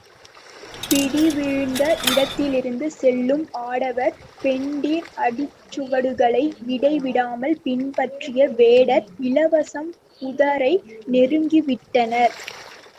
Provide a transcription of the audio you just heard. பிடிவீழ்ந்த இடத்திலிருந்து செல்லும் ஆடவர் பெண்டிர் அடிச்சுவடுகளை இடை விடாமல் பின்பற்றிய வேடர் இலவம் புதரை நெருங்கி விட்டனர்.